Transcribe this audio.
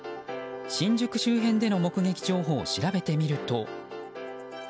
新宿周辺での目撃情報を調べてみると。